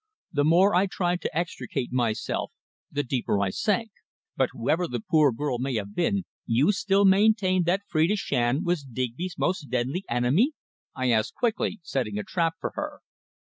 The more I tried to extricate myself the deeper I sank. "But whoever the poor girl may have been, you still maintain that Phrida Shand was Digby's most deadly enemy?" I asked quickly, setting a trap for her.